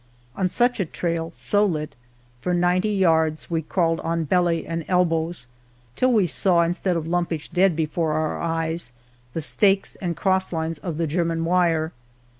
On such a trail y so lit ^ for ninety yards We crawled on belly and elbows , till we saWy Instead of lumpish dead before our eyes^ The Stakes and crosslmes of the German wire.